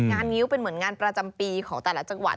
งิ้วเป็นเหมือนงานประจำปีของแต่ละจังหวัด